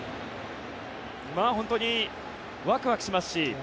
本当にワクワクしますし。